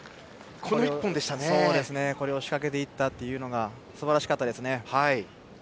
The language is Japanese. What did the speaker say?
これを仕掛けていったのがすばらしかったですね。